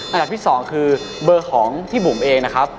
อันดับที่๒คือเบอร์ของพี่บุ๋มเองนะครับ